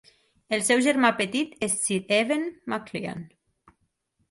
El seu germà petit és Sir Ewen Maclean.